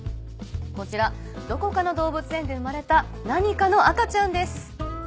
こちらどこかの動物園で生まれた何かの赤ちゃんです。